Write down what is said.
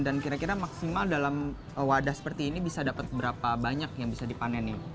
dan kira kira maksimal dalam wadah seperti ini bisa dapat berapa banyak yang bisa dipanen nih